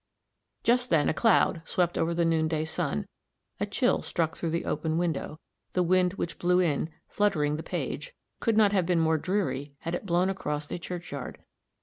Just then a cloud swept over the noonday sun; a chill struck through the open window; the wind which blew in, fluttering the page, could not have been more dreary had it blown across a churchyard.